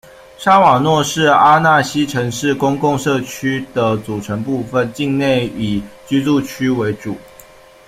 沙瓦诺是阿讷西城市公共社区的组成部分，境内以居住区为主。